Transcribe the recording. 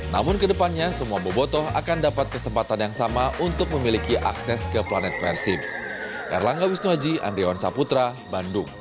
namun kedepannya semua bobotoh akan dapat kesempatan yang sama untuk memiliki akses ke planet persib